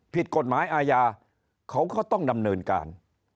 ผิดกฎหมายอาญาเขาก็ต้องดำเนินการ